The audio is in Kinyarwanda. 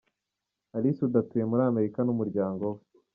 Ally Soudy atuye muri Amerika n'umuryango we.